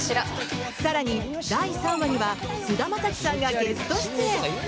更に、第３話には菅田将暉さんがゲスト出演。